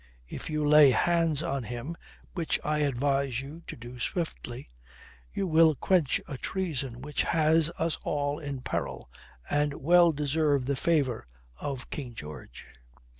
If you lay hands on him, which I advise you to do swiftly, you will quench a treason which has us all in peril, and well deserve the favour of King George.